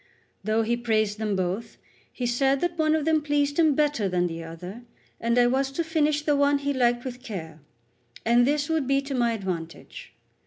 Though he praised them both, he said that one of them pleased him better than the other; I was to finish the one he liked with care; and this would be to my advantage.